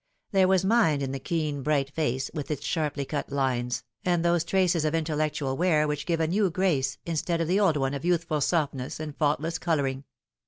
There was mind in the keen, bright face, with its sharply cut lines, and those traces of intellectual wear which give a new grace, instead of the old one of youthful softness and faultless colouring.